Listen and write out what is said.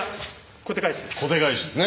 小手返しですね。